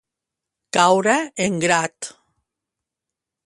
Caure en grat.